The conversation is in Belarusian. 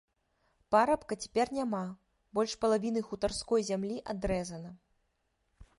Парабка цяпер няма, больш палавіны хутарской зямлі адрэзана.